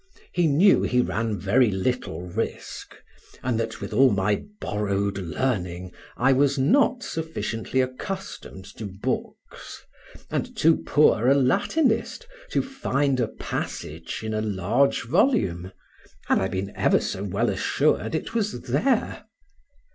He knew he ran very little risk, and that, with all my borrowed learning, I was not sufficiently accustomed to books, and too poor a Latinist to find a passage in a large volume, had I been ever so well assured it was there.